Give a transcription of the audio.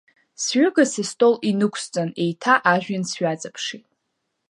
Сҩыга сыстол инықәсҵан еиҭа ажәҩан сҩаҵаԥшит.